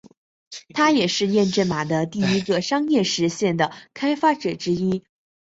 他也是验证码的第一个商业实现的开发者之一。